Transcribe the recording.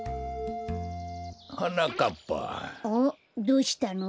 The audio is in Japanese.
どうしたの？